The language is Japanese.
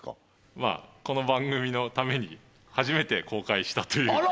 まあこの番組のために初めて公開したというあら！